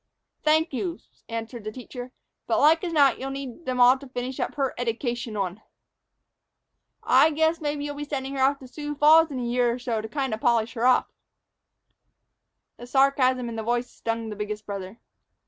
"Thank you," answered the teacher; "but like as not you'll need 'em all to finish up her eddication on. I guess maybe you'll be sending her to Sioux Falls in a year or so to kind o' polish her off." The sarcasm in the voice stung the biggest brother.